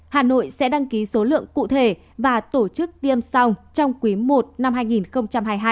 hà nội sẽ đăng ký số lượng cụ thể và tổ chức tiêm sau trong quý i năm hai nghìn hai mươi hai